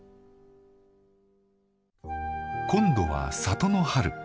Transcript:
今度は里の春。